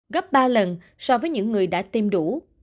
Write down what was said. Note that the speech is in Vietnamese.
gấp ba lần so với những người đã tiêm đủ